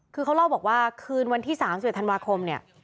คือเขาเล่าบอกว่าคืนวันที่๓๑ธันวาคมเนี่ย